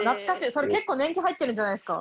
それ結構年季入ってるんじゃないですか？